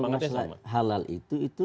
kalau halal itu